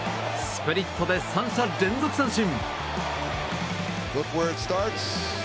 スプリットで３者連続三振。